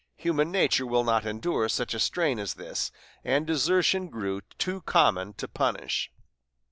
Human nature will not endure such a strain as this, and desertion grew too common to punish.